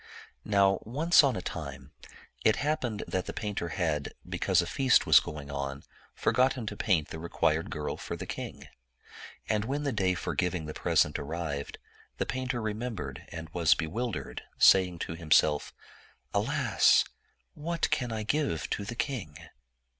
Now, once on a time, it happened that that painter had, because a feast was going on, forgotten to paint the re quired girl for the king. And when the day for giving the present arrived, the painter remembered and was bewil dered, saying to himself, "Alasl what can I give to the king?"